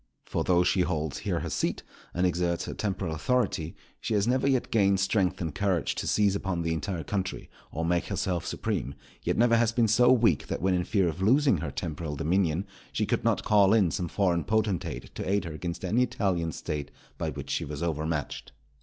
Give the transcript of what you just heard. For though she holds here her seat, and exerts her temporal authority, she has never yet gained strength and courage to seize upon the entire country, or make herself supreme; yet never has been so weak that when in fear of losing her temporal dominion, she could not call in some foreign potentate to aid her against any Italian State by which she was overmatched.